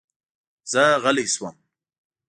زه غلی شوم.